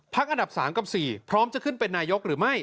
พักอันดับสามกับสี่พร้อมจะขึ้นเป็นนายยกหรือไม่